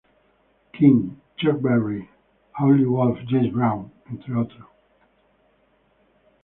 King, Chuck Berry, Howlin' Wolf, James Brown, entre otros.